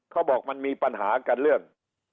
เขาบอกมันมีปัญหากันเรื่อง